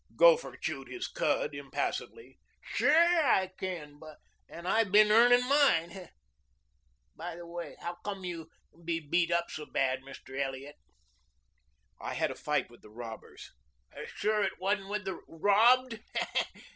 Gopher chewed his cud impassively. "Sure I can, and I been earning mine. By the way, howcome you to be beat up so bad, Mr. Elliot?" "I had a fight with the robbers." "Sure it wasn't with the robbed.